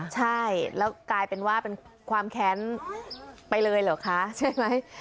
ใช่แล้วกลายเป็นว่าเป็นความแค้นไปเลยเหรอคะใช่ไหม